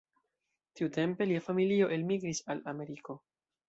Tiutempe lia familio elmigris al Ameriko.